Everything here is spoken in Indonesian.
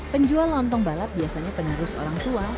penjual lontong balap biasanya penerus orang tua